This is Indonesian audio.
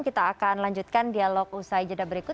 kita akan lanjutkan dialog usai jeda berikut